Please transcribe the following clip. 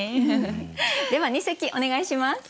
では二席お願いします。